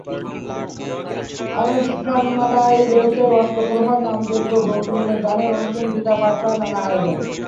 অনুষ্ঠানমালায় রয়েছে অষ্টপ্রহর নামযজ্ঞ, ভক্তিমূলক গানের অনুষ্ঠান, গীতা পাঠসহ নানা আয়োজন।